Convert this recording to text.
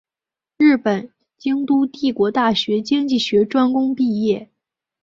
日本京都帝国大学经济学专攻毕业。